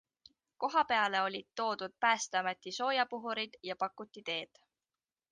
Kohapeale olid toodud Päästeameti soojapuhurid ja pakuti teed.